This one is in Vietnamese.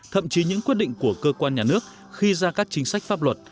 thậm chí những quyết định của cơ quan nhà nước khi ra các chính sách pháp luật